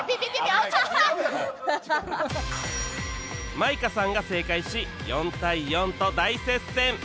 舞香さんが正解し４対４と大接戦